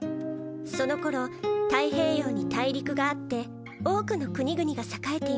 その頃太平洋に大陸があって多くの国々が栄えていました。